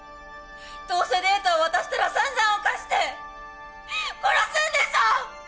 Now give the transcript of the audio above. どうせデータを渡したらさんざん犯して殺すんでしょ！